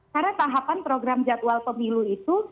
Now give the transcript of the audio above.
karena tahapan program jadwal pemilu itu